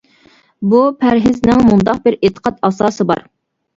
بۇ پەرھىزنىڭ مۇنداق بىر ئېتىقاد ئاساسى بار.